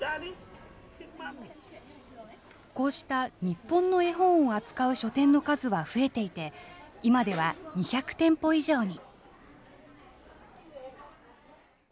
こうした日本の絵本を扱う書店の数は増えていて、今では２００店舗以上に。